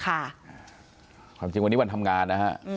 ความจริงวันนี้วันทำงานนะฮะ